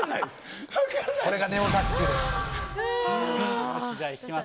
これがネオ卓球です。